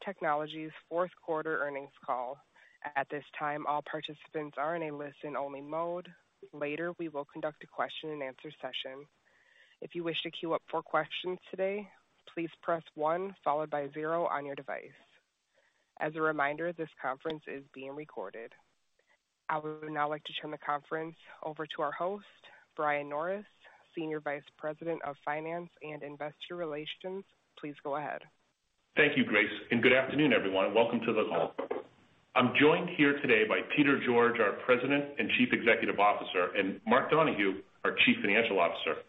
Evolv Technology Q4 Earnings Call. At this time, all participants are in a listen-only mode. Later, we will conduct a question and answer session. If you wish to queue up for questions today, please press one followed by zero on your device. As a reminder, this conference is being recorded. I would now like to turn the conference over to our host, Brian Norris, Senior Vice President of Finance and Investor Relations. Please go ahead. Thank you, Grace. Good afternoon, everyone. Welcome to the call. I'm joined here today by Peter George, our President and Chief Executive Officer, and Mark Donohue, our Chief Financial Officer.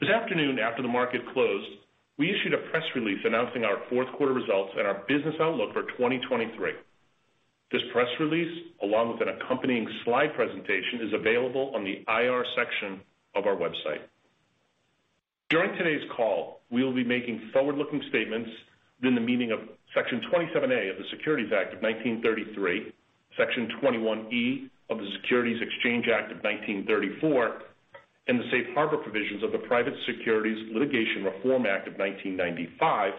This afternoon, after the market closed, we issued a press release announcing our Q4 results and our business outlook for 2023. This press release, along with an accompanying slide presentation, is available on the IR section of our website. During today's call, we will be making forward-looking statements within the meaning of Section 27A of the Securities Act of 1933, Section 21E of the Securities Exchange Act of 1934, and the safe harbor provisions of the Private Securities Litigation Reform Act of 1995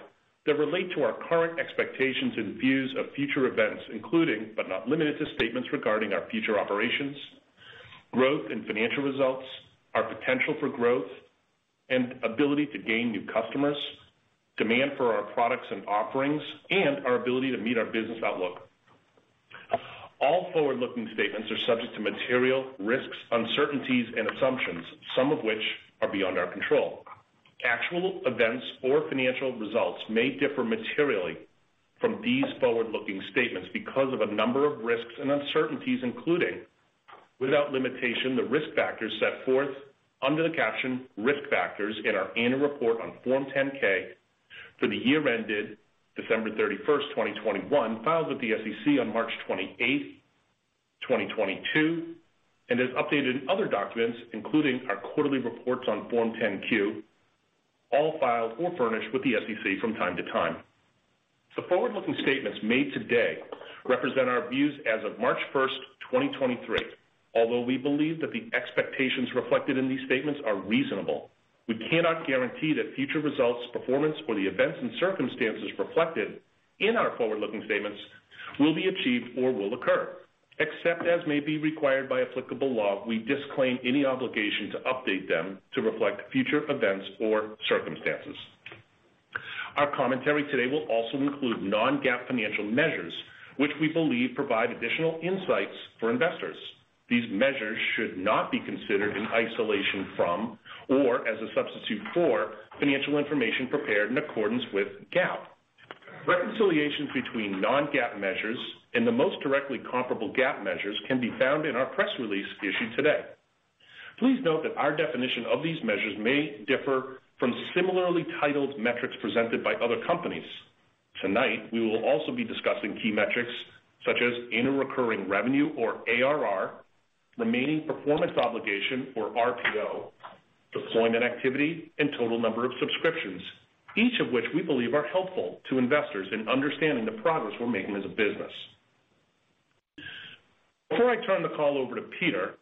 that relate to our current expectations and views of future events, including, but not limited to, statements regarding our future operations, growth and financial results, our potential for growth and ability to gain new customers, demand for our products and offerings, and our ability to meet our business outlook. All forward-looking statements are subject to material risks, uncertainties and assumptions, some of which are beyond our control. Actual events or financial results may differ materially from these forward-looking statements because of a number of risks and uncertainties, including, without limitation, the risk factors set forth under the caption Risk Factors in our annual report on Form 10-K for the year ended December 31st, 2021, filed with the SEC on March 28th, 2022, and as updated in other documents, including our quarterly reports on Form 10-Q, all filed or furnished with the SEC from time to time. The forward-looking statements made today represent our views as of March 1st, 2023. Although we believe that the expectations reflected in these statements are reasonable, we cannot guarantee that future results, performance, or the events and circumstances reflected in our forward-looking statements will be achieved or will occur. Except as may be required by applicable law, we disclaim any obligation to update them to reflect future events or circumstances. Our commentary today will also include non-GAAP financial measures, which we believe provide additional insights for investors. These measures should not be considered in isolation from, or as a substitute for, financial information prepared in accordance with GAAP. Reconciliation between non-GAAP measures and the most directly comparable GAAP measures can be found in our press release issued today. Please note that our definition of these measures may differ from similarly titled metrics presented by other companies. Tonight, we will also be discussing key metrics such as annual recurring revenue or ARR, remaining performance obligation or RPO, deployment activity, and total number of subscriptions, each of which we believe are helpful to investors in understanding the progress we're making as a business. Before I turn the call over to Peter,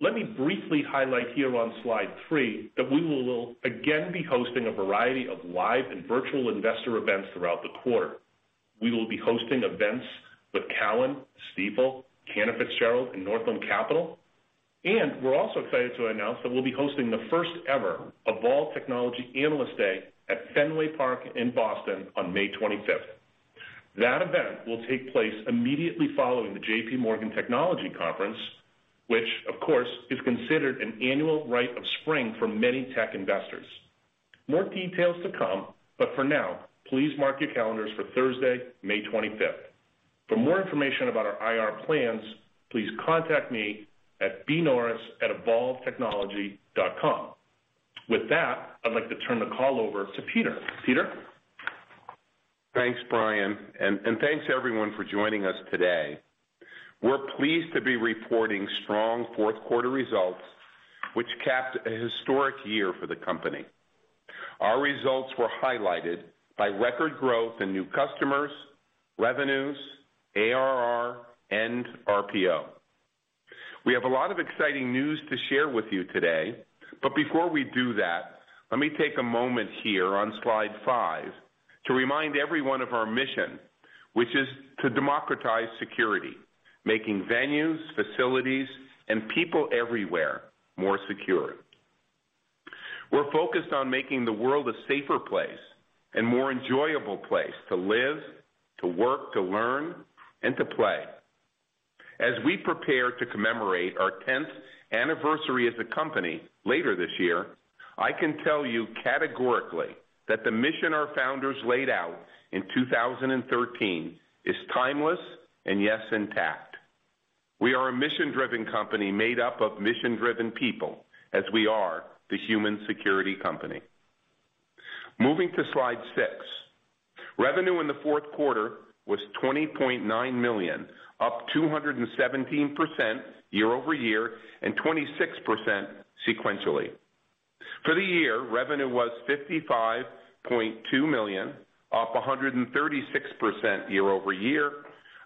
let me briefly highlight here on slide three that we will again be hosting a variety of live and virtual investor events throughout the quarter. We will be hosting events with Cowen, Stifel, Cantor Fitzgerald, and Northland Capital. We're also excited to announce that we'll be hosting the first ever Evolv Technology Analyst Day at Fenway Park in Boston on May 25th. That event will take place immediately following the JPMorgan Technology Conference, which of course, is considered an annual rite of spring for many tech investors. More details to come, for now, please mark your calendars for Thursday, May 25th. For more information about our IR plans, please contact me at bnorris@evolvtechnology.com. With that, I'd like to turn the call over to Peter. Peter? Thanks, Brian, and thanks everyone for joining us today. We're pleased to be reporting strong Q4 results, which capped a historic year for the company. Our results were highlighted by record growth in new customers, revenues, ARR and RPO. We have a lot of exciting news to share with you today, but before we do that, let me take a moment here on slide five to remind everyone of our mission, which is to democratize security, making venues, facilities, and people everywhere more secure. We're focused on making the world a safer place and more enjoyable place to live, to work, to learn, and to play. As we prepare to commemorate our 10th anniversary as a company later this year, I can tell you categorically that the mission our founders laid out in 2013 is timeless and yes, intact. We are a mission-driven company made up of mission-driven people as we are the human security company. Moving to slide six. Revenue in the Q4 was $20.9 million, up 217% year-over-year and 26% sequentially. For the year, revenue was $55.2 million, up 136% year-over-year.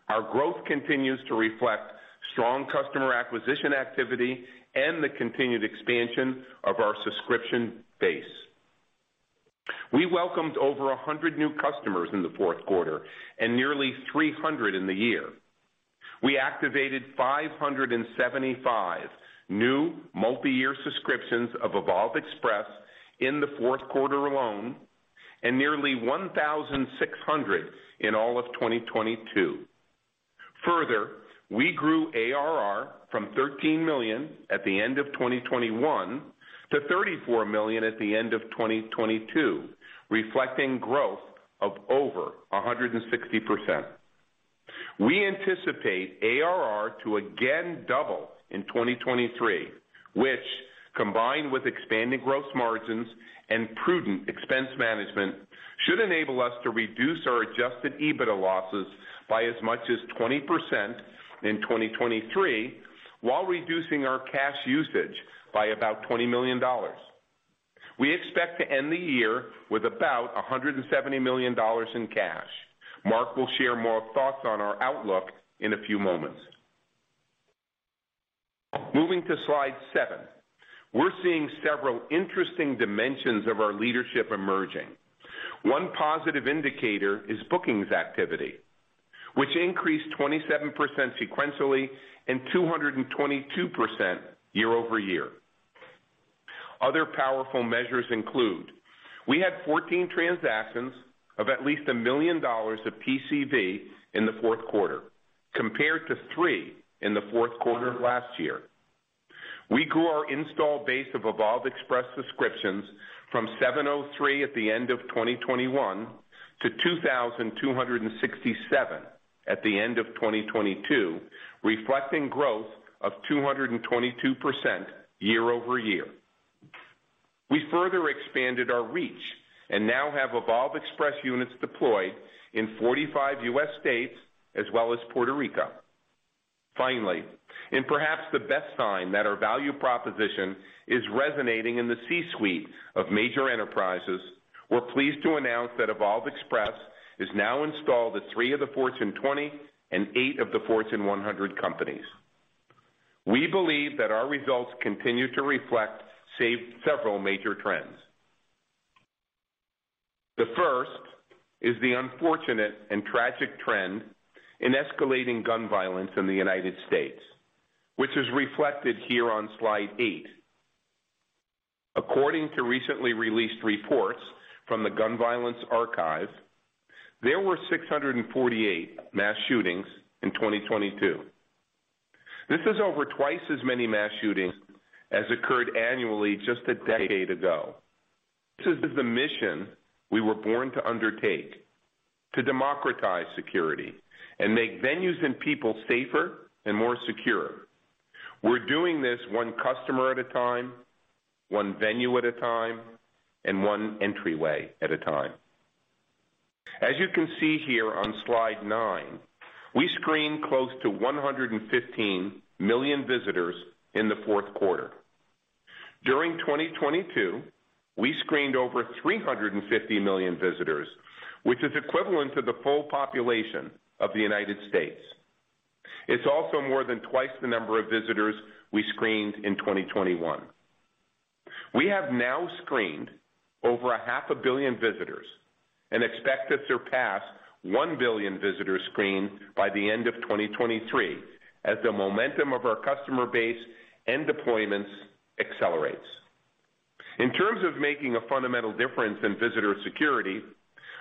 Our growth continues to reflect strong customer acquisition activity and the continued expansion of our subscription base. We welcomed over 100 new customers in the Q4 and nearly 300 in the year. We activated 575 new multi-year subscriptions of Evolv Express in the Q4 alone, and nearly 1,600 in all of 2022. Further, we grew ARR from $13 million at the end of 2021 to $34 million at the end of 2022, reflecting growth of over 160%. We anticipate ARR to again double in 2023, which, combined with expanding gross margins and prudent expense management, should enable us to reduce our adjusted EBITDA losses by as much as 20% in 2023 while reducing our cash usage by about $20 million. We expect to end the year with about $170 million in cash. Mark will share more thoughts on our outlook in a few moments. Moving to slide seven. We're seeing several interesting dimensions of our leadership emerging. One positive indicator is bookings activity, which increased 27% sequentially and 222% year-over-year. Other powerful measures include we had 14 transactions of at least $1 million of TCV in the Q4, compared to three in the Q4 of last year. We grew our install base of Evolv Express subscriptions from 703 at the end of 2021 to 2,267 at the end of 2022, reflecting growth of 222% year-over-year. We further expanded our reach and now have Evolv Express units deployed in 45 U.S. states as well as Puerto Rico. Finally, perhaps the best sign that our value proposition is resonating in the C-suite of major enterprises, we're pleased to announce that Evolv Express is now installed at three of the Fortune 20 and eight of the Fortune 100 companies. We believe that our results continue to reflect save several major trends. The first is the unfortunate and tragic trend in escalating gun violence in the United States, which is reflected here on slide eight. According to recently released reports from the Gun Violence Archive, there were 648 mass shootings in 2022. This is over twice as many mass shootings as occurred annually just a decade ago. This is the mission we were born to undertake, to democratize security and make venues and people safer and more secure. We're doing this one customer at a time, one venue at a time, and one entryway at a time. As you can see here on slide nine, we screened close to 115 million visitors in the Q4. During 2022, we screened over 350 million visitors, which is equivalent to the full population of the United States. It's also more than twice the number of visitors we screened in 2021. We have now screened over a half a billion visitors and expect to surpass 1 billion visitors screened by the end of 2023 as the momentum of our customer base and deployments accelerates. In terms of making a fundamental difference in visitor security,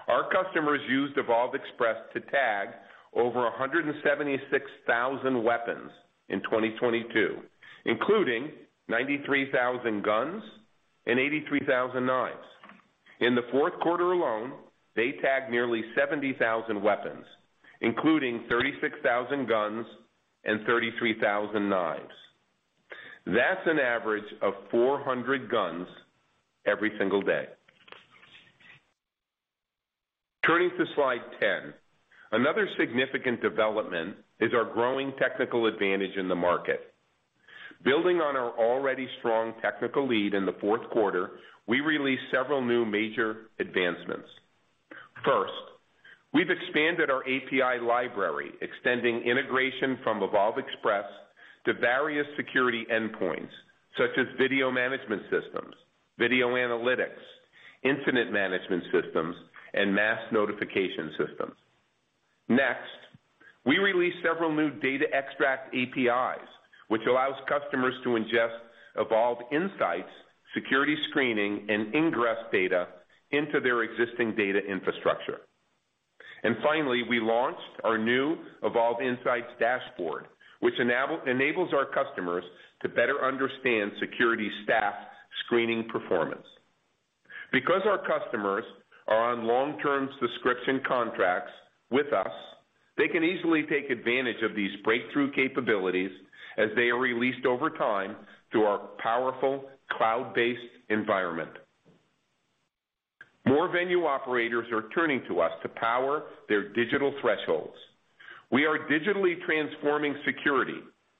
our customers used Evolv Express to tag over 176,000 weapons in 2022, including 93,000 guns and 83,000 knives. In the Q4 alone, they tagged nearly 70,000 weapons, including 36,000 guns and 33,000 knives. That's an average of 400 guns every single day. Turning to slide 10. Another significant development is our growing technical advantage in the market. Building on our already strong technical lead in the Q4, we released several new major advancements. First, we've expanded our API library, extending integration from Evolv Express to various security endpoints such as video management systems, video analytics, incident management systems, and mass notification systems. We released several new data extract APIs, which allows customers to ingest Evolv Insights, security screening, and ingress data into their existing data infrastructure. Finally, we launched our new Evolv Insights dashboard, which enables our customers to better understand security staff screening performance. Because our customers are on long-term subscription contracts with us, they can easily take advantage of these breakthrough capabilities as they are released over time through our powerful cloud-based environment. More venue operators are turning to us to power their digital thresholds. We are digitally transforming security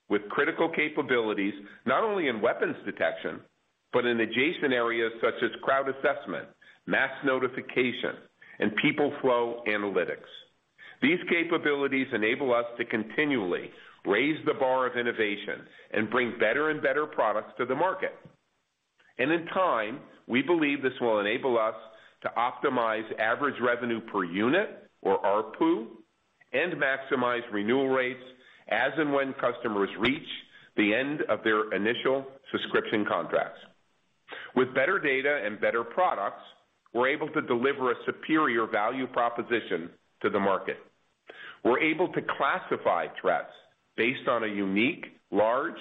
with critical capabilities, not only in weapons detection but in adjacent areas such as crowd assessment, mass notification, and people flow analytics. These capabilities enable us to continually raise the bar of innovation and bring better and better products to the market. In time, we believe this will enable us to optimize average revenue per unit or ARPU and maximize renewal rates as and when customers reach the end of their initial subscription contracts. With better data and better products, we're able to deliver a superior value proposition to the market. We're able to classify threats based on a unique, large,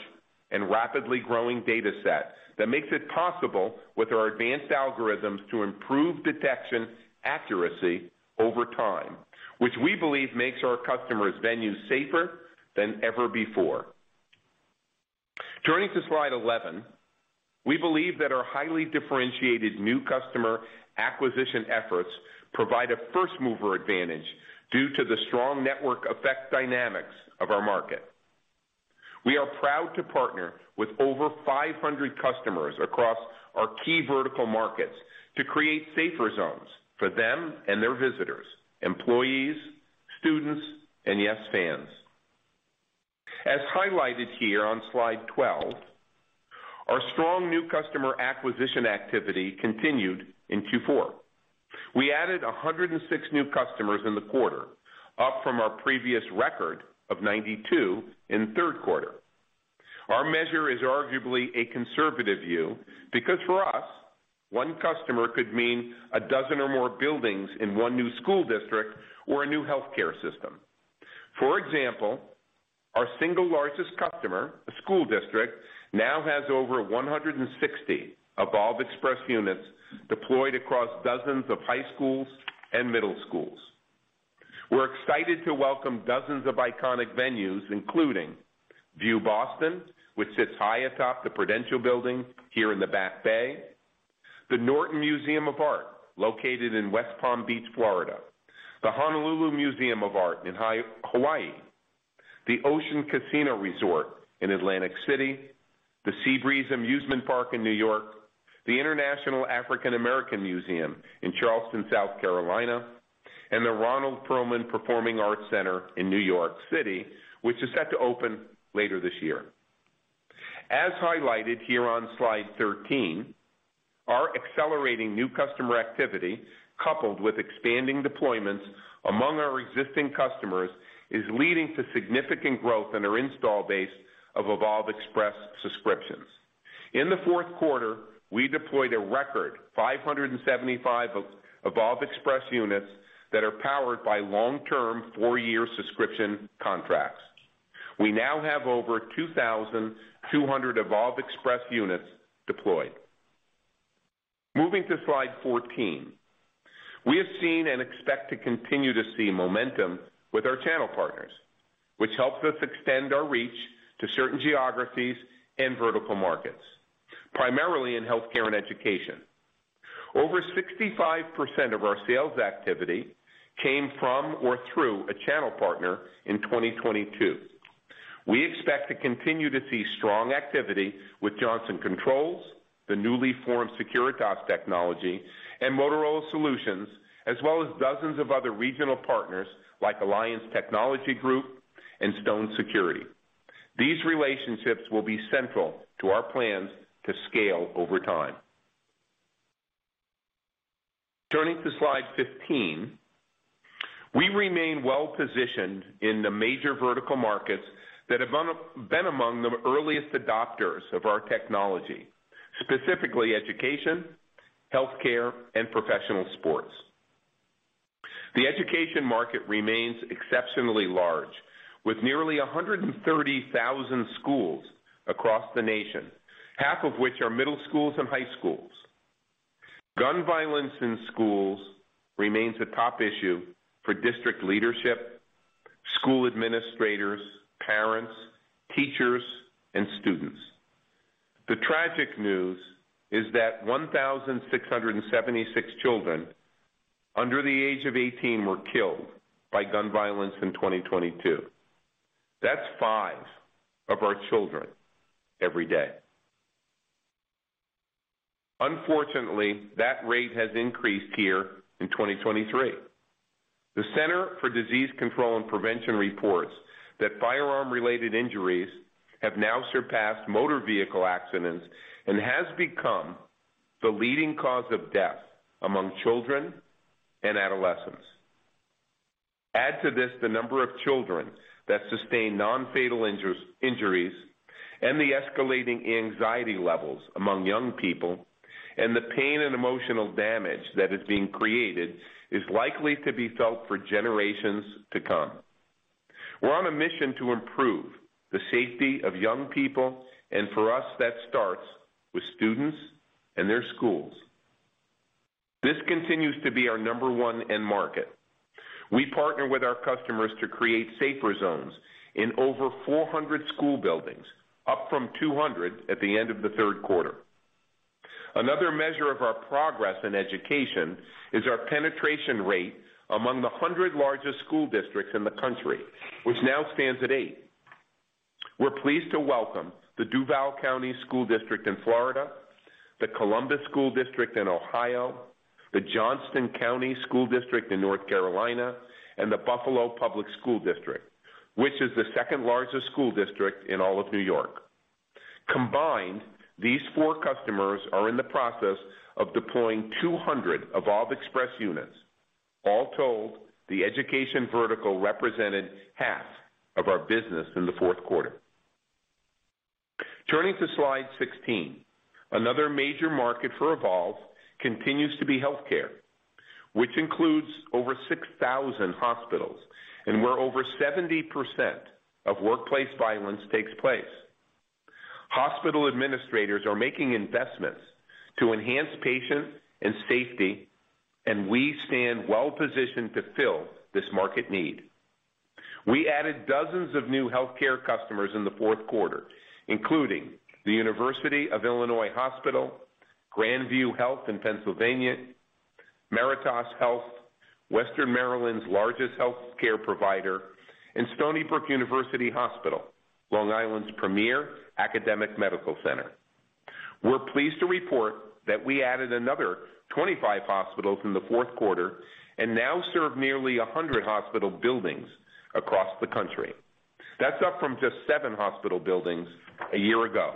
and rapidly growing data set that makes it possible with our advanced algorithms to improve detection accuracy over time, which we believe makes our customers' venues safer than ever before. Turning to slide 11, we believe that our highly differentiated new customer acquisition efforts provide a first-mover advantage due to the strong network effect dynamics of our market. We are proud to partner with over 500 customers across our key vertical markets to create safer zones for them and their visitors, employees, students, and yes, fans. As highlighted here on slide 12, our strong new customer acquisition activity continued in Q4. We added 106 new customers in the quarter, up from our previous record of 92 in the Q3. Our measure is arguably a conservative view because for us, one customer could mean a dozen or more buildings in one new school district or a new healthcare system. For example, our single largest customer, a school district, now has over 160 Evolv Express units deployed across dozens of high schools and middle schools. We're excited to welcome dozens of iconic venues, including View Boston, which sits high atop the Prudential building here in the Back Bay, the Norton Museum of Art, located in West Palm Beach, Florida, the Honolulu Museum of Art in Hawaii, the Ocean Casino Resort in Atlantic City, the Seabreeze Amusement Park in New York, the International African American Museum in Charleston, South Carolina, and the Ronald Perelman Performing Arts Center in New York City, which is set to open later this year. As highlighted here on slide 13, our accelerating new customer activity, coupled with expanding deployments among our existing customers, is leading to significant growth in our install base of Evolv Express subscriptions. In the Q4, we deployed a record 575 Evolv Express units that are powered by long-term four-year subscription contracts. We now have over 2,200 Evolv Express units deployed. Moving to slide 14. We have seen and expect to continue to see momentum with our channel partners, which helps us extend our reach to certain geographies and vertical markets, primarily in healthcare and education. Over 65% of our sales activity came from or through a channel partner in 2022. We expect to continue to see strong activity with Johnson Controls, the newly formed Securitas Technology, and Motorola Solutions, as well as dozens of other regional partners like Alliance Technology Group and Stone Security. These relationships will be central to our plans to scale over time. Turning to slide 15. We remain well-positioned in the major vertical markets that have been among the earliest adopters of our technology, specifically education, healthcare, and professional sports. The education market remains exceptionally large, with nearly 130,000 schools across the nation, half of which are middle schools and high schools. Gun violence in schools remains a top issue for district leadership, school administrators, parents, teachers, and students. The tragic news is that 1,676 children under the age of 18 were killed by gun violence in 2022. That's five of our children every day. Unfortunately, that rate has increased here in 2023. The Centers for Disease Control and Prevention reports that firearm-related injuries have now surpassed motor vehicle accidents and has become the leading cause of death among children and adolescents. Add to this the number of children that sustain non-fatal injuries and the escalating anxiety levels among young people, and the pain and emotional damage that is being created is likely to be felt for generations to come. For us, that starts with students and their schools. This continues to be our number one end market. We partner with our customers to create safer zones in over 400 school buildings, up from 200 at the end of the Q3. Another measure of our progress in education is our penetration rate among the 100 largest school districts in the country, which now stands at eight. We're pleased to welcome the Duval County School District in Florida, the Columbus School District in Ohio, the Johnston County School District in North Carolina, and the Buffalo Public School District, which is the second-largest school district in all of New York. Combined, these four customers are in the process of deploying 200 Evolv Express units. All told, the education vertical represented half of our business in the Q4. Turning to slide 16, another major market for Evolv continues to be healthcare, which includes over 6,000 hospitals and where over 70% of workplace violence takes place. Hospital administrators are making investments to enhance patients and safety, and we stand well positioned to fill this market need. We added dozens of new healthcare customers in the Q4, including the University of Illinois Hospital, Grand View Health in Pennsylvania, Meritus Health, Western Maryland's largest healthcare provider, and Stony Brook University Hospital, Long Island's premier academic medical center. We're pleased to report that we added another 25 hospitals in the Q4 and now serve nearly 100 hospital buildings across the country. That's up from just seven hospital buildings a year ago.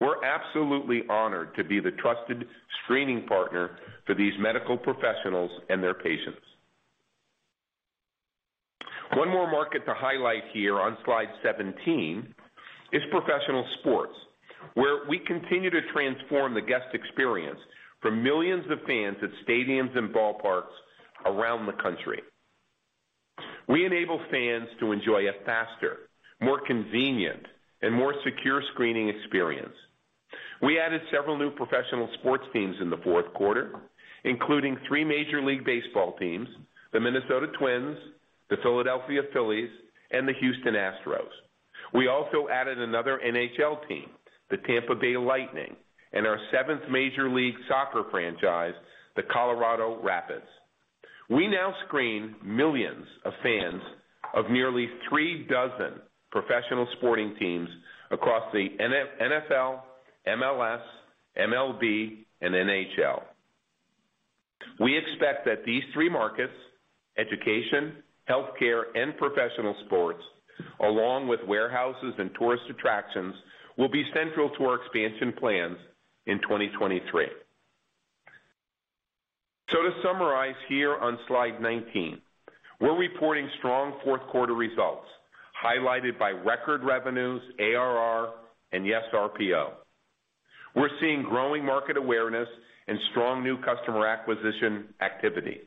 We're absolutely honored to be the trusted screening partner for these medical professionals and their patients. One more market to highlight here on slide 17 is professional sports, where we continue to transform the guest experience for millions of fans at stadiums and ballparks around the country. We enable fans to enjoy a faster, more convenient, and more secure screening experience. We added several new professional sports teams in the Q4, including three Major League Baseball teams, the Minnesota Twins, the Philadelphia Phillies, and the Houston Astros. We also added another NHL team, the Tampa Bay Lightning, and our seventh Major League Soccer franchise, the Colorado Rapids. We now screen millions of fans of nearly three dozen professional sporting teams across the NFL, MLS, MLB, and NHL. We expect that these three markets, education, healthcare, and professional sports, along with warehouses and tourist attractions, will be central to our expansion plans in 2023. To summarize here on slide 19, we're reporting strong Q4 results, highlighted by record revenues, ARR, and the RPO. We're seeing growing market awareness and strong new customer acquisition activity.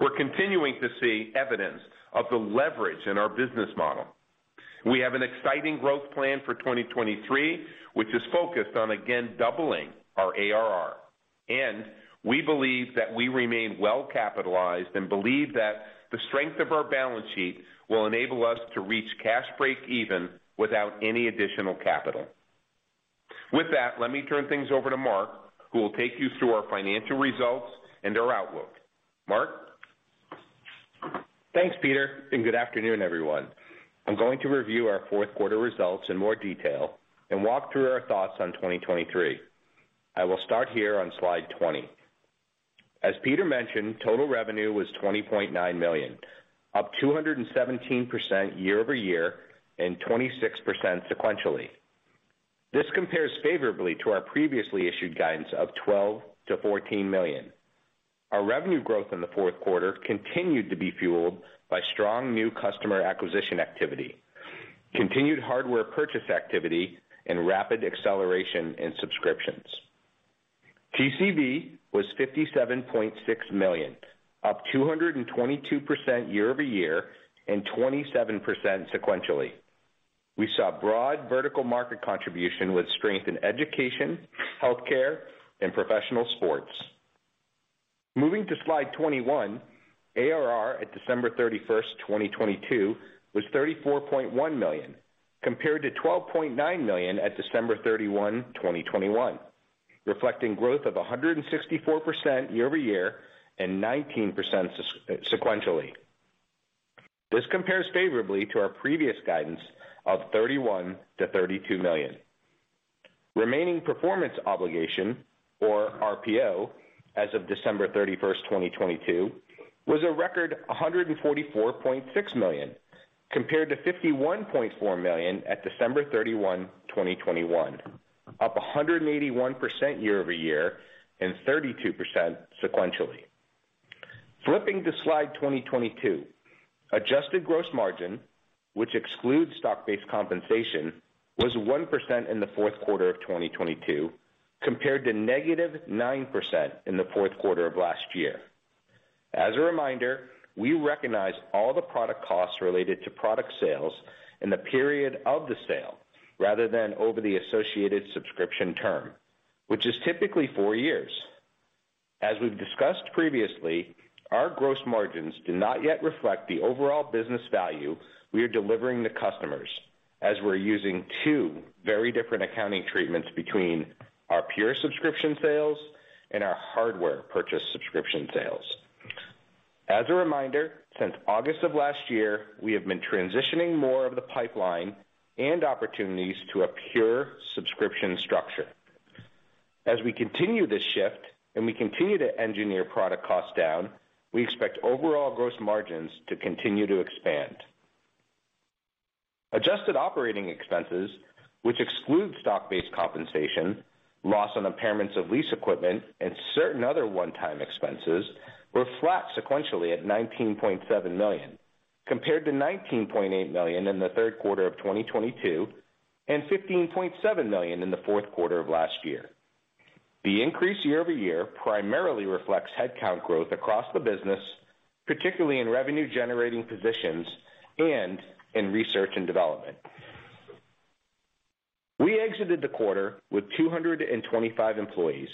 We're continuing to see evidence of the leverage in our business model. We have an exciting growth plan for 2023, which is focused on again doubling our ARR, and we believe that we remain well capitalized and believe that the strength of our balance sheet will enable us to reach cash break even without any additional capital. With that, let me turn things over to Mark, who will take you through our financial results and our outlook. Mark? Thanks, Peter. Good afternoon, everyone. I'm going to review our Q4 results in more detail and walk through our thoughts on 2023. I will start here on slide 20. As Peter mentioned, total revenue was $20.9 million, up 217% year-over-year, 26% sequentially. This compares favorably to our previously issued guidance of $12 million-$14 million. Our revenue growth in the Q4 continued to be fueled by strong new customer acquisition activity, continued hardware purchase activity, and rapid acceleration in subscriptions. GCV was $57.6 million, up 222% year-over-year, 27% sequentially. We saw broad vertical market contribution with strength in education, healthcare, and professional sports. Moving to slide 21, ARR at December 31, 2022, was $34.1 million, compared to $12.9 million at December 31, 2021, reflecting growth of 164% year-over-year and 19% sequentially. This compares favorably to our previous guidance of $31 million-$32 million. Remaining performance obligation, or RPO, as of December 31, 2022, was a record $144.6 million, compared to $51.4 million at December 31, 2021, up 181% year-over-year and 32% sequentially. Flipping to slide 22, adjusted gross margin, which excludes stock-based compensation, was 1% in the Q4 of 2022, compared to negative 9% in the Q4 of last year. As a reminder, we recognize all the product costs related to product sales in the period of the sale rather than over the associated subscription term, which is typically four years. As we've discussed previously, our gross margins do not yet reflect the overall business value we are delivering to customers, as we're using two very different accounting treatments between our pure subscription sales and our hardware purchase subscription sales. As a reminder, since August of last year, we have been transitioning more of the pipeline and opportunities to a pure subscription structure. As we continue this shift and we continue to engineer product costs down, we expect overall gross margins to continue to expand. Adjusted operating expenses, which excludes stock-based compensation, loss on impairments of lease equipment and certain other one-time expenses, were flat sequentially at $19.7 million, compared to $19.8 million in the Q3 of 2022, and $15.7 million in the Q4 of last year. The increase year-over-year primarily reflects headcount growth across the business, particularly in revenue generating positions and in research and development. We exited the quarter with 225 employees,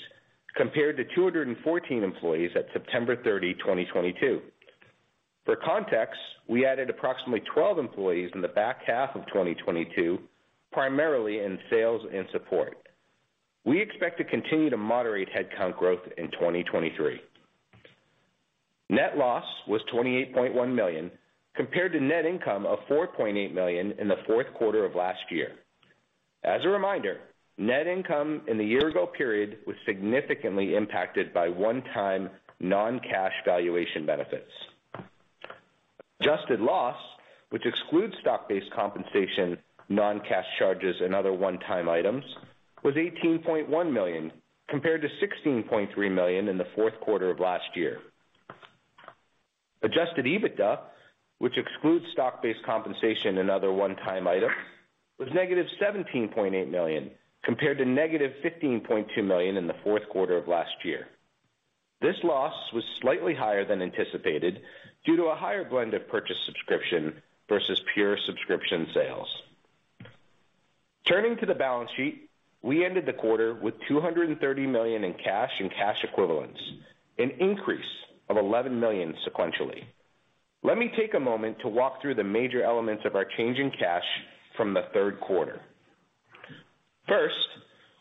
compared to 214 employees at September 30, 2022. For context, we added approximately 12 employees in the back half of 2022, primarily in sales and support. We expect to continue to moderate headcount growth in 2023. Net loss was $28.1 million, compared to net income of $4.8 million in the Q4 of last year. As a reminder, net income in the year-ago period was significantly impacted by one-time non-cash valuation benefits. Adjusted loss, which excludes stock-based compensation, non-cash charges, and other one-time items, was $18.1 million, compared to $16.3 million in the Q4 of last year. Adjusted EBITDA, which excludes stock-based compensation and other one-time items, was negative $17.8 million, compared to negative $15.2 million in the Q4 of last year. This loss was slightly higher than anticipated due to a higher blend of purchase subscription versus pure subscription sales. Turning to the balance sheet, we ended the quarter with $230 million in cash and cash equivalents, an increase of $11 million sequentially. Let me take a moment to walk through the major elements of our change in cash from the Q3. First,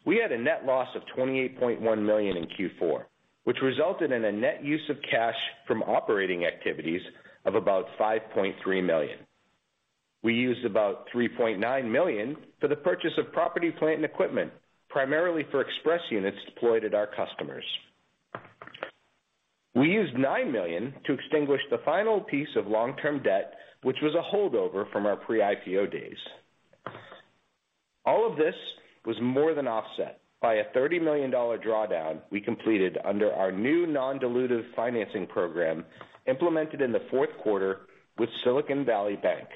we had a net loss of $28.1 million in Q4, which resulted in a net use of cash from operating activities of about $5.3 million. We used about $3.9 million for the purchase of property, plant, and equipment, primarily for Express Units deployed at our customers. We used $9 million to extinguish the final piece of long-term debt, which was a holdover from our pre-IPO days. All of this was more than offset by a $30 million drawdown we completed under our new non-dilutive financing program implemented in the Q4 with Silicon Valley Bank.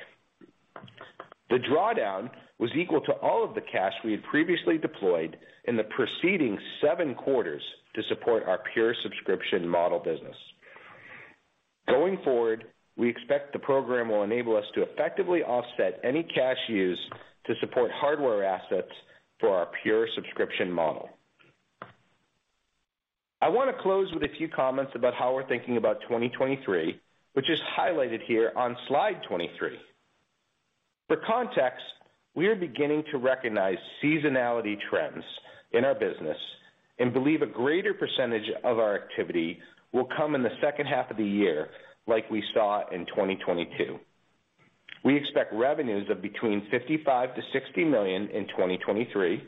The drawdown was equal to all of the cash we had previously deployed in the preceding seven quarters to support our pure subscription model business. Going forward, we expect the program will enable us to effectively offset any cash used to support hardware assets for our pure subscription model. I wanna close with a few comments about how we're thinking about 2023, which is highlighted here on slide 23. For context, we are beginning to recognize seasonality trends in our business and believe a greater percentage of our activity will come in the H2 of the year, like we saw in 2022. We expect revenues of between $55 million-$60 million in 2023.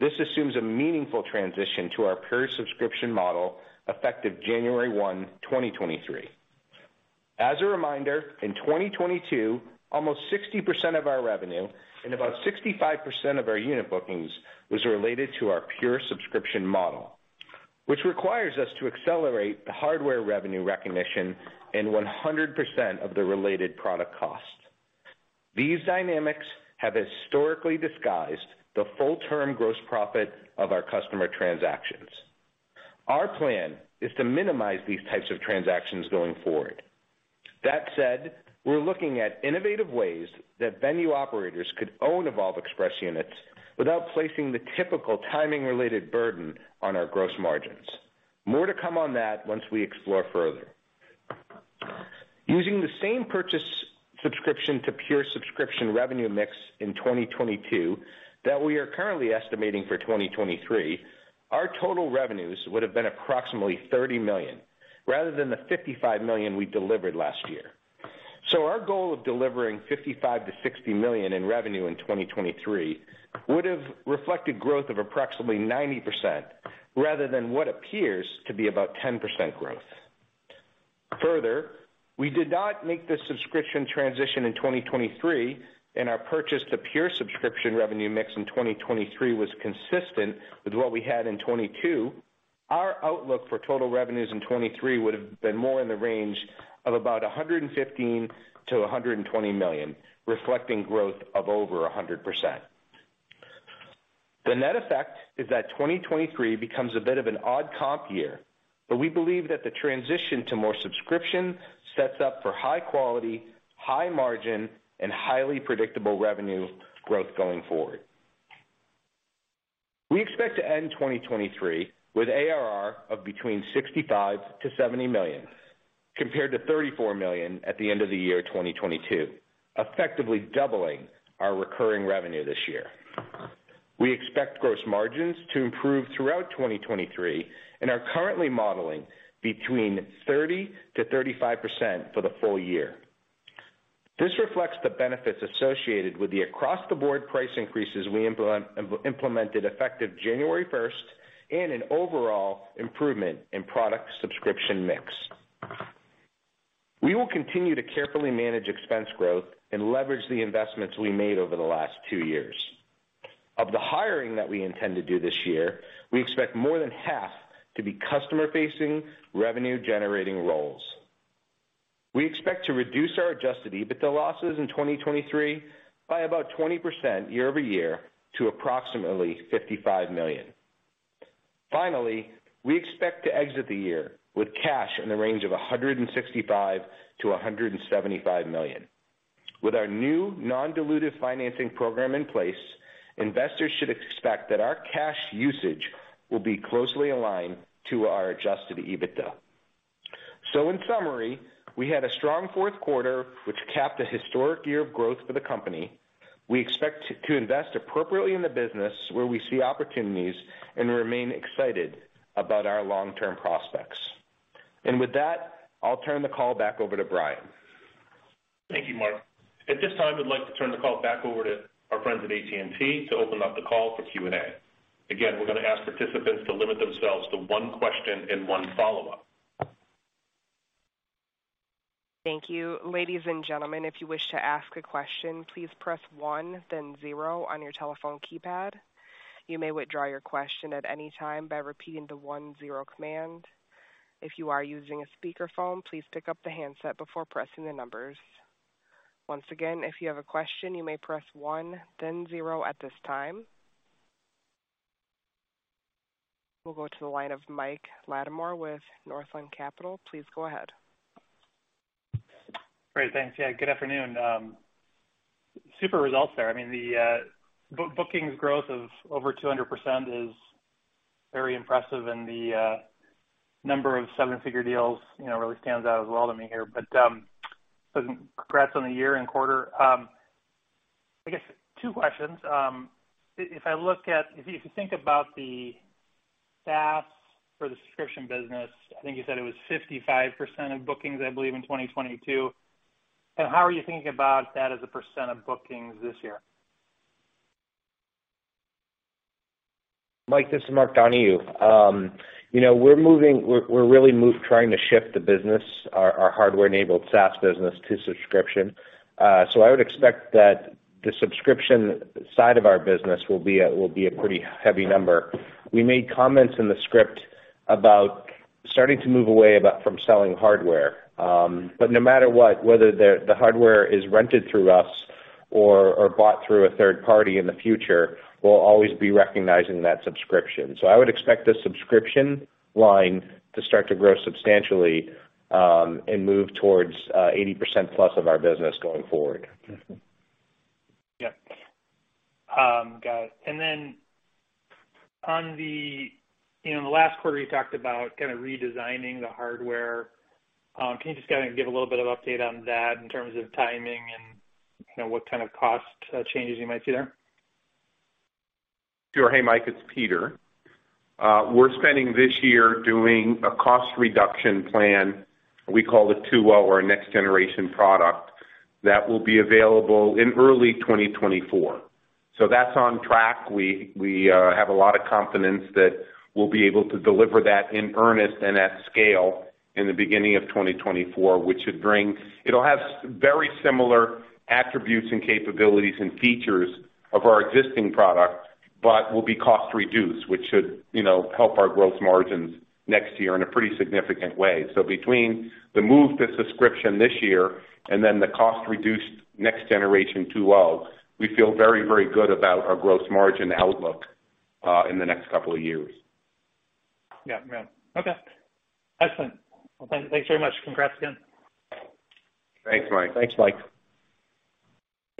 This assumes a meaningful transition to our pure subscription model, effective January 1, 2023. As a reminder, in 2022, almost 60% of our revenue and about 65% of our unit bookings was related to our pure subscription model, which requires us to accelerate the hardware revenue recognition in 100% of the related product cost. These dynamics have historically disguised the full term gross profit of our customer transactions. Our plan is to minimize these types of transactions going forward. That said, we're looking at innovative ways that venue operators could own Evolv Express units without placing the typical timing-related burden on our gross margins. More to come on that once we explore further. Using the same purchase subscription to pure subscription revenue mix in 2022 that we are currently estimating for 2023, our total revenues would have been approximately $30 million, rather than the $55 million we delivered last year. Our goal of delivering $55 million-$60 million in revenue in 2023 would have reflected growth of approximately 90% rather than what appears to be about 10% growth. We did not make the subscription transition in 2023, and our purchase to pure subscription revenue mix in 2023 was consistent with what we had in 2022. Our outlook for total revenues in 2023 would have been more in the range of about $115 million-$120 million, reflecting growth of over 100%. The net effect is that 2023 becomes a bit of an odd comp year, but we believe that the transition to more subscription sets up for high quality, high margin, and highly predictable revenue growth going forward. We expect to end 2023 with ARR of between $65 million-$70 million, compared to $34 million at the end of 2022, effectively doubling our recurring revenue this year. We expect gross margins to improve throughout 2023 and are currently modeling between 30%-35% for the full year. This reflects the benefits associated with the across-the-board price increases we implemented effective January first and an overall improvement in product subscription mix. We will continue to carefully manage expense growth and leverage the investments we made over the last two years. Of the hiring that we intend to do this year, we expect more than half to be customer-facing, revenue-generating roles. We expect to reduce our adjusted EBITDA losses in 2023 by about 20% year-over-year to approximately $55 million. Finally, we expect to exit the year with cash in the range of $165 million-$175 million. With our new non-dilutive financing program in place, investors should expect that our cash usage will be closely aligned to our adjusted EBITDA. We had a strong Q4, which capped a historic year of growth for the company. We expect to invest appropriately in the business where we see opportunities and remain excited about our long-term prospects. I'll turn the call back over to Brian. Thank you, Mark. At this time, I'd like to turn the call back over to our friends at AT&T to open up the call for Q&A. Again, we're gonna ask participants to limit themselves to one question and one follow-up. Thank you. Ladies and gentlemen, if you wish to ask a question, please press one then zero on your telephone keypad. You may withdraw your question at any time by repeating the one zero command. If you are using a speakerphone, please pick up the handset before pressing the numbers. Once again, if you have a question, you may press one then zero at this time. We'll go to the line of Mike Latimore with Northland Capital. Please go ahead. Great. Thanks. Yeah, good afternoon. Super results there. I mean, the bookings growth of over 200% is very impressive, and the number of seven-figure deals, you know, really stands out as well to me here. Congrats on the year and quarter. I guess two questions. If you, if you think about the SaaS for the subscription business, I think you said it was 55% of bookings, I believe, in 2022. How are you thinking about that as a % of bookings this year? Mike, this is Mark Donohue. You know, we're really trying to shift the business, our hardware-enabled SaaS business to subscription. I would expect that the subscription side of our business will be a pretty heavy number. We made comments in the script about starting to move away about from selling hardware. No matter what, whether the hardware is rented through us or bought through a third party in the future, we'll always be recognizing that subscription. I would expect the subscription line to start to grow substantially, and move towards 80% plus of our business going forward. Yep. Got it. In the last quarter, you talked about kind of redesigning the hardware. Can you just kind of give a little bit of update on that in terms of timing and, you know, what kind of cost changes you might see there? Sure. Hey, Mike Latimore, it's Peter George. We're spending this year doing a cost reduction plan. We call it 2.0 or next generation product that will be available in early 2024. That's on track. We have a lot of confidence that we'll be able to deliver that in earnest and at scale in the beginning of 2024. It'll have very similar attributes and capabilities and features of our existing product, but will be cost reduced, which should, you know, help our gross margins next year in a pretty significant way. Between the move to subscription this year and then the cost-reduced next generation 2.0, we feel very, very good about our gross margin outlook in the next couple of years. Yeah. Yeah. Okay. Excellent. Well, thanks very much. Congrats again. Thanks, Mike. Thanks, Mike.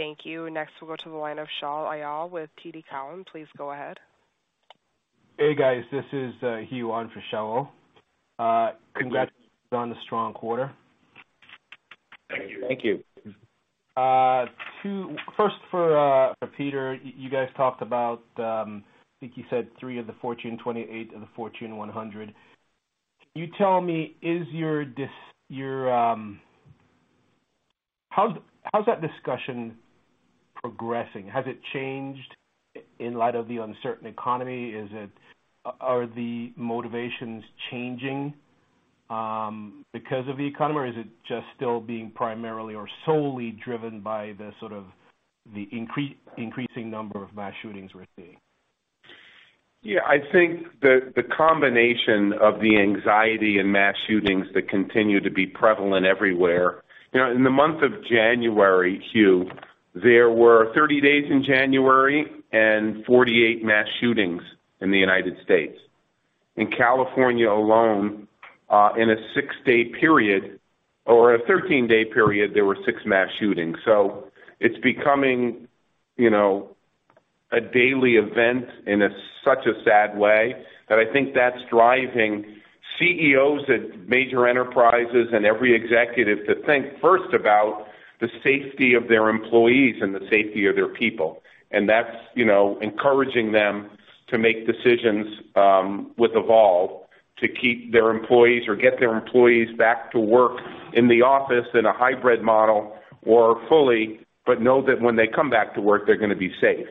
Thank you. Next, we'll go to the line of Shaul Eyal with TD Cowen. Please go ahead. Hey, guys, this is Hugh on for Shaul. Congrats on the strong quarter. Thank you. Thank you. Two... First for Peter. You guys talked about, I think you said three of the Fortune 20, eight of the Fortune 100. Can you tell me, is your,... How's that discussion progressing? Has it changed in light of the uncertain economy? Is it... Are the motivations changing because of the economy or is it just still being primarily or solely driven by the sort of the increasing number of mass shootings we're seeing? Yeah. I think the combination of the anxiety in mass shootings that continue to be prevalent everywhere. You know, in the month of January, Hugh, there were 30 days in January and 48 mass shootings in the United States. In California alone, in a six-day period or a 13-day period, there were six mass shootings. It's becoming, you know, a daily event in a such a sad way that I think that's driving- CEOs at major enterprises and every executive to think first about the safety of their employees and the safety of their people. That's, you know, encouraging them to make decisions, with Evolv to keep their employees or get their employees back to work in the office in a hybrid model or fully, but know that when they come back to work they're gonna be safe.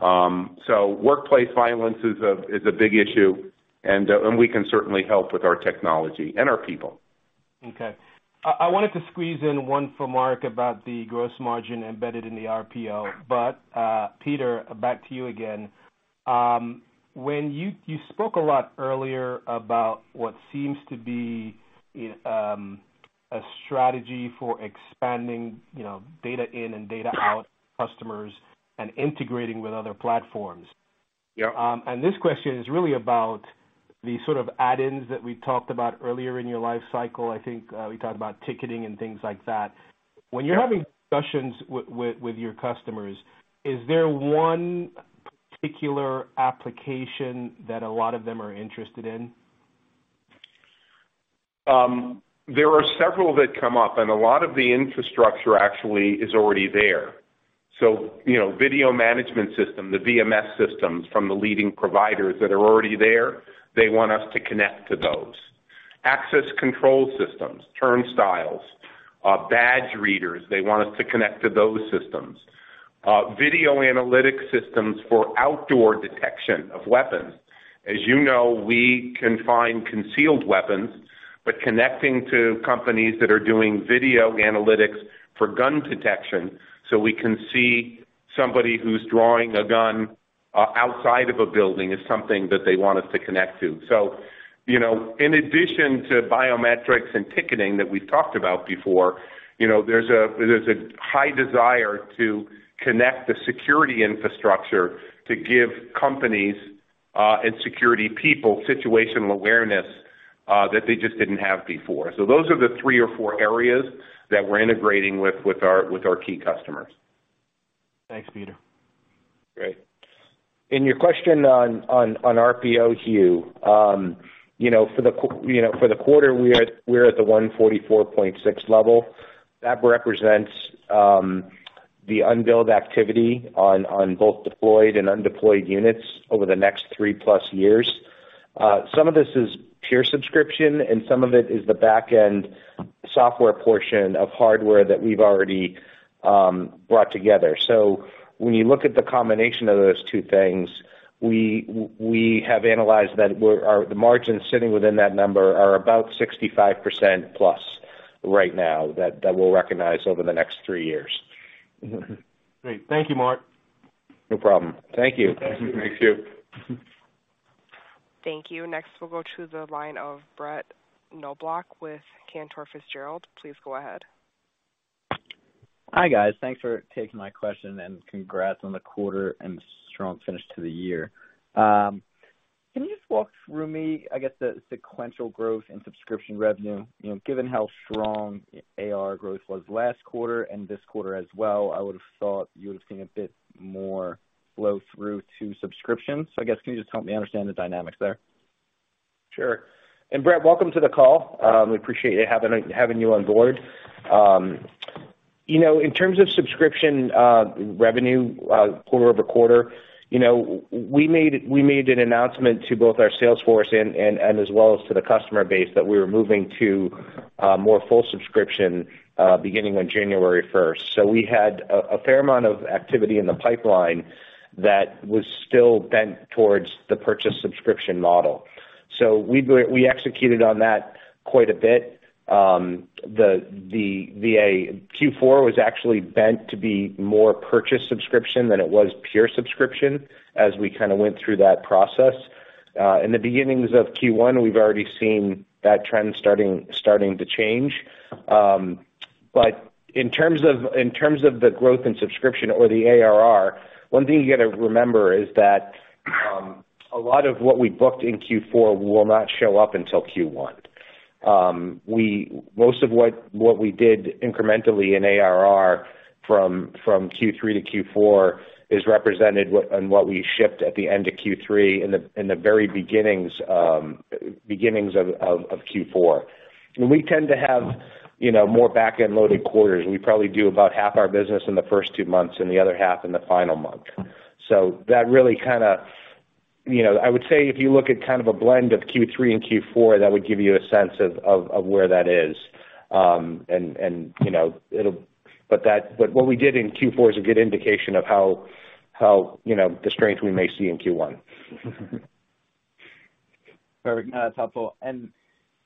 Workplace violence is a big issue, and we can certainly help with our technology and our people. Okay. I wanted to squeeze in one for Mark about the gross margin embedded in the RPO. Peter, back to you again. When you spoke a lot earlier about what seems to be a strategy for expanding, you know, data in and data out customers and integrating with other platforms. Yeah. This question is really about the sort of add-ins that we talked about earlier in your life cycle. I think, we talked about ticketing and things like that. Yeah. When you're having discussions with your customers, is there one particular application that a lot of them are interested in? There are several that come up, and a lot of the infrastructure actually is already there. You know, video management system, the VMS systems from the leading providers that are already there, they want us to connect to those. Access control systems, turnstiles, badge readers, they want us to connect to those systems. Video analytics systems for outdoor detection of weapons. As you know, we can find concealed weapons, but connecting to companies that are doing video analytics for gun detection, so we can see somebody who's drawing a gun outside of a building is something that they want us to connect to. You know, in addition to biometrics and ticketing that we've talked about before, you know, there's a high desire to connect the security infrastructure to give companies and security people situational awareness that they just didn't have before. Those are the three or four areas that we're integrating with our key customers. Thanks, Peter. Great. Your question on RPO, Hugh. You know, for the quarter we're at, we're at the $144.6 level. That represents the unbilled activity on both deployed and undeployed units over the next 3+ years. Some of this is pure subscription, and some of it is the back-end software portion of hardware that we've already brought together. When you look at the combination of those two things, we have analyzed that the margins sitting within that number are about 65%+ right now that we'll recognize over the next three years. Great. Thank you, Mark. No problem. Thank you. Thank you. Thank you. Thank you. Next, we'll go to the line of Brett Knoblauch with Cantor Fitzgerald. Please go ahead. Hi, guys. Thanks for taking my question. Congrats on the quarter and strong finish to the year. Can you just walk through me, I guess, the sequential growth in subscription revenue? You know, given how strong AR growth was last quarter and this quarter as well, I would've thought you would've seen a bit more flow through to subscriptions. I guess can you just help me understand the dynamics there? Sure. Brett, welcome to the call. We appreciate having you on board. you know, in terms of subscription revenue quarter-over-quarter, you know, we made an announcement to both our sales force and as well as to the customer base that we were moving to more full subscription beginning on January first. We executed on that quite a bit. the Q4 was actually bent to be more purchase subscription than it was pure subscription as we kinda went through that process. In the beginnings of Q1, we've already seen that trend starting to change. But in terms of the growth in subscription or the ARR, one thing you gotta remember is that, a lot of what we booked in Q4 will not show up until Q1. Most of what we did incrementally in ARR from Q3 to Q4 is represented on what we shipped at the end of Q3 in the very beginnings of Q4. We tend to have, you know, more back-end loaded quarters. We probably do about half our business in the first two months and the other half in the final month. That really kinda. You know, I would say if you look at kind of a blend of Q3 and Q4, that would give you a sense of where that is. You know, it'll but what we did in Q4 is a good indication of how, you know, the strength we may see in Q1. Perfect. No, that's helpful.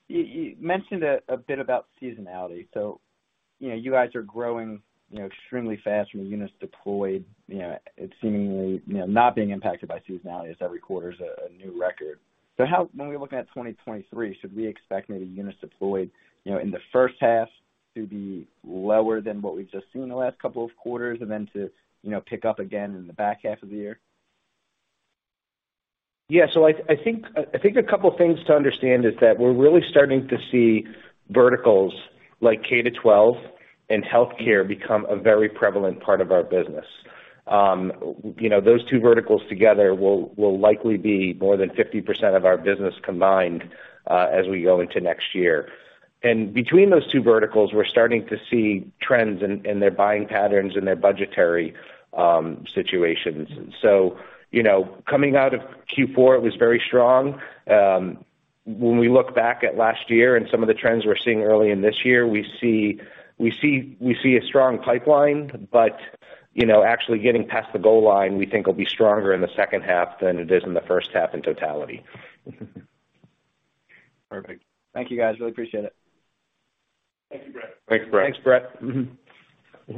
You mentioned a bit about seasonality. You know, you guys are growing, you know, extremely fast from the units deployed, you know, and seemingly, you know, not being impacted by seasonality as every quarter's a new record. When we look at 2023, should we expect maybe units deployed, you know, in the H1 to be lower than what we've just seen in the last couple of quarters and then to, you know, pick up again in the back half of the year? Yeah. I think a couple things to understand is that we're really starting to see verticals like K-12 and healthcare become a very prevalent part of our business. You know, those two verticals together will likely be more than 50% of our business combined as we go into next year. Between those two verticals, we're starting to see trends in their buying patterns and their budgetary situations. You know, coming out of Q4, it was very strong. When we look back at last year and some of the trends we're seeing early in this year, we see a strong pipeline, but, you know, actually getting past the goal line, we think will be stronger in the H2 than it is in the H1, in totality. Perfect. Thank you, guys. Really appreciate it. Thank you, Brett. Thanks, Brett. Thanks, Brett. Mm-hmm.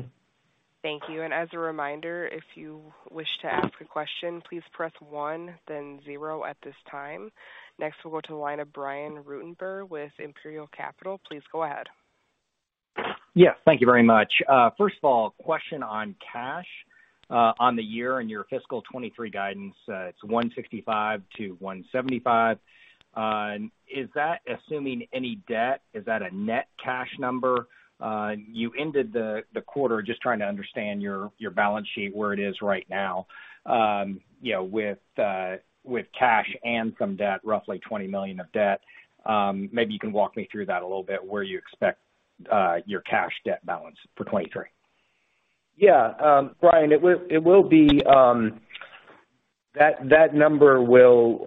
Thank you. As a reminder, if you wish to ask a question, please press one then zero at this time. We'll go to the line of Brian Ruttenbur with Imperial Capital. Please go ahead. Yes, thank you very much. First of all, question on cash, on the year and your fiscal 2023 guidance. It's $165 million-$175 million. Is that assuming any debt? Is that a net cash number? You ended the quarter. Just trying to understand your balance sheet, where it is right now, you know, with cash and some debt, roughly $20 million of debt. Maybe you can walk me through that a little bit, where you expect your cash debt balance for 2023. Yeah. Brian, it will be. That number will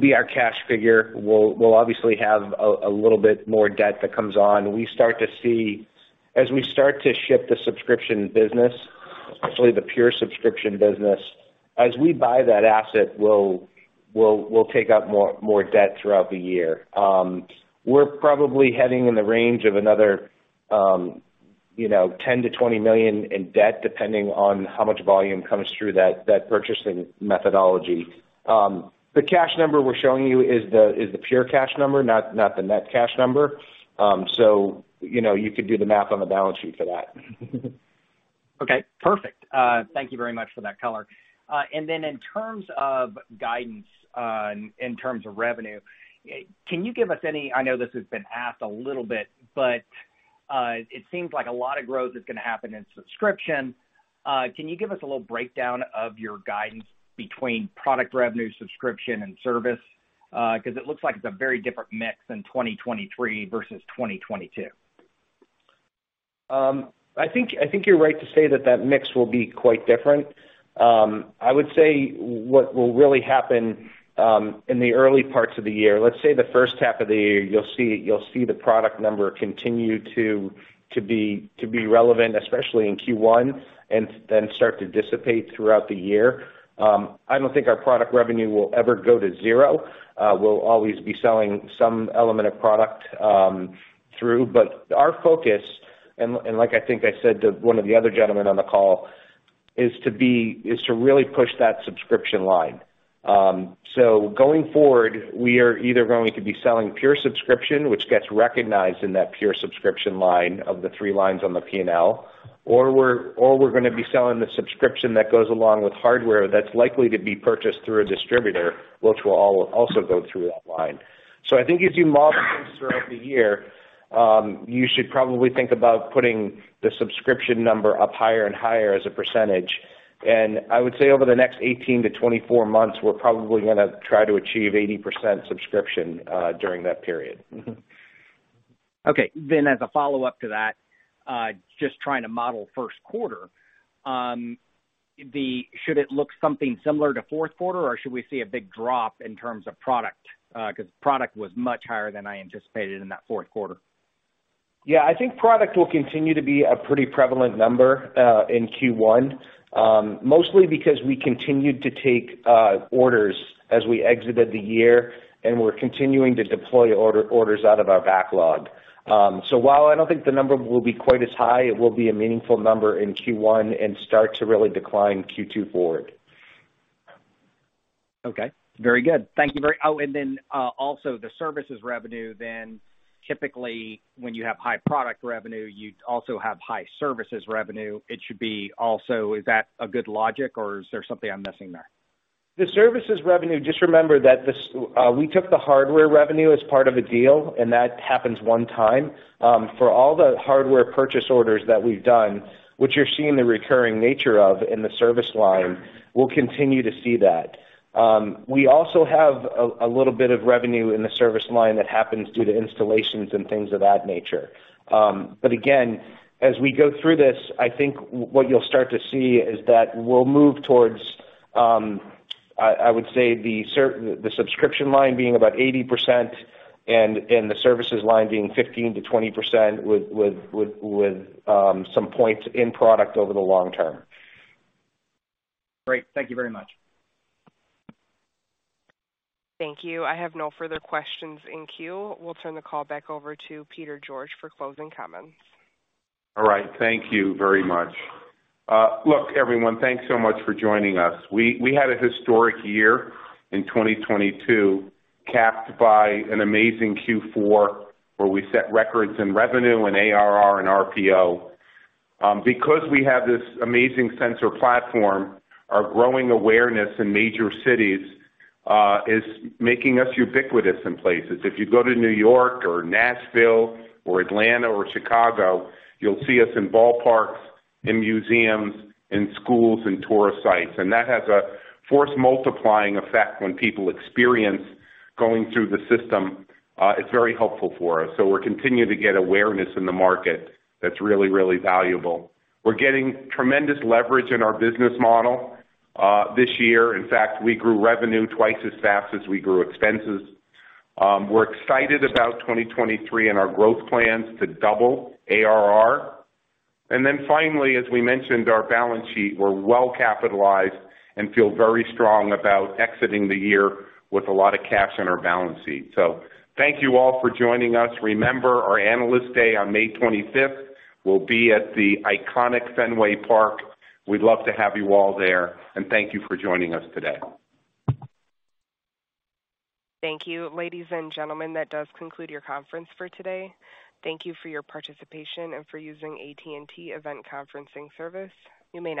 be our cash figure. We'll obviously have a little bit more debt that comes on. As we start to ship the subscription business, especially the pure subscription business, as we buy that asset, we'll take up more debt throughout the year. We're probably heading in the range of another, you know, $10 million-$20 million in debt, depending on how much volume comes through that purchasing methodology. The cash number we're showing you is the pure cash number, not the net cash number. You know, you could do the math on the balance sheet for that. Okay. Perfect. Thank you very much for that color. Then in terms of guidance, in terms of revenue, can you give us I know this has been asked a little bit, but it seems like a lot of growth is gonna happen in subscription. Can you give us a little breakdown of your guidance between product revenue, subscription and service? 'Cause it looks like it's a very different mix in 2023 versus 2022. I think you're right to say that that mix will be quite different. I would say what will really happen in the early parts of the year, let's say the H1 of the year, you'll see the product number continue to be relevant, especially in Q1, and then start to dissipate throughout the year. I don't think our product revenue will ever go to zero. We'll always be selling some element of product through. Our focus, and like I think I said to one of the other gentlemen on the call, is to really push that subscription line. Going forward, we are either going to be selling pure subscription, which gets recognized in that pure subscription line of the three lines on the P&L, or we're gonna be selling the subscription that goes along with hardware that's likely to be purchased through a distributor, which will also go through that line. I think as you model things throughout the year, you should probably think about putting the subscription number up higher and higher as a percentage. I would say over the next 18-24 months, we're probably gonna try to achieve 80% subscription during that period. Okay. As a follow-up to that, just trying to model Q1, should it look something similar to Q4, or should we see a big drop in terms of product? 'Cause product was much higher than I anticipated in that Q4. Yeah. I think product will continue to be a pretty prevalent number, in Q1. Mostly because we continued to take orders as we exited the year, and we're continuing to deploy orders out of our backlog. While I don't think the number will be quite as high, it will be a meaningful number in Q1 and start to really decline Q2 forward. Okay. Very good. Thank you. Also the services revenue then typically when you have high product revenue, you also have high services revenue. It should be also. Is that a good logic or is there something I'm missing there? The services revenue, just remember that this, we took the hardware revenue as part of a deal, and that happens one time. For all the hardware purchase orders that we've done, which you're seeing the recurring nature of in the service line, we'll continue to see that. We also have a little bit of revenue in the service line that happens due to installations and things of that nature. Again, as we go through this, I think what you'll start to see is that we'll move towards, I would say the subscription line being about 80% and the services line being 15%-20% with some points in product over the long term. Great. Thank you very much. Thank you. I have no further questions in queue. We'll turn the call back over to Peter George for closing comments. All right. Thank you very much. Look, everyone, thanks so much for joining us. We had a historic year in 2022, capped by an amazing Q4, where we set records in revenue and ARR and RPO. Because we have this amazing sensor platform, our growing awareness in major cities, is making us ubiquitous in places. If you go to New York or Nashville or Atlanta or Chicago, you'll see us in ballparks, in museums, in schools, and tourist sites. That has a force multiplying effect when people experience going through the system, it's very helpful for us. We're continuing to get awareness in the market that's really, really valuable. We're getting tremendous leverage in our business model, this year. In fact, we grew revenue twice as fast as we grew expenses. We're excited about 2023 and our growth plans to double ARR. Finally, as we mentioned, our balance sheet, we're well capitalized and feel very strong about exiting the year with a lot of cash on our balance sheet. Thank you all for joining us. Remember our Analyst Day on May 25th. We'll be at the iconic Fenway Park. We'd love to have you all there. Thank you for joining us today. Thank you. Ladies and gentlemen, that does conclude your conference for today. Thank you for your participation and for using AT&T Event Conferencing service. You may now disconnect.